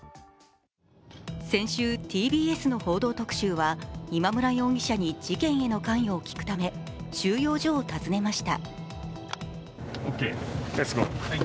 先週、ＴＢＳの「報道特集」は今村容疑者に事件への関与を聞くため収容所を訪ねました。